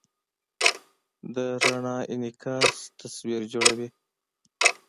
د رڼا انعکاس تصویر جوړوي.